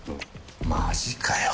マジかよ。